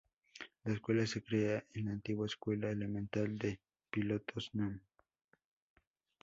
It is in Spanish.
La Escuela se crea en la antigua Escuela Elemental de Pilotos núm.